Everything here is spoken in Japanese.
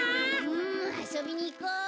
うんあそびにいこ。